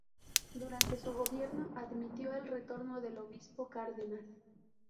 Durante su gobierno admitió el retorno del obispo Cárdenas.